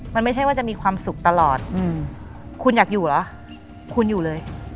มันไม่ใช่ว่าจะมีความสุขตลอดคุณอยากอยู่เหรอคุณอยู่เลย